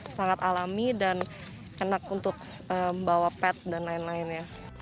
sangat alami dan enak untuk membawa pet dan lain lainnya